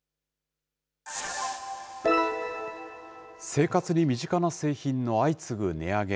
生活に身近な製品の相次ぐ値上げ。